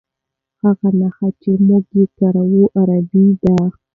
هغه نښې چې موږ یې کاروو عربي دي.